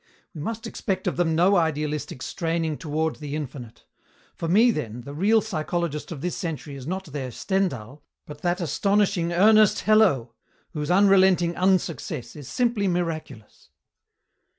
We must expect of them no idealistic straining toward the infinite. For me, then, the real psychologist of this century is not their Stendhal but that astonishing Ernest Hello, whose unrelenting unsuccess is simply miraculous!"